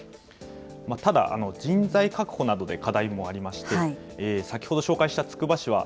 ただ、人材確保などで課題もありまして、先ほど紹介したつくば市は、